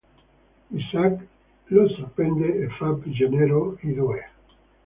Isaac lo sorprende e fa prigionieri i due.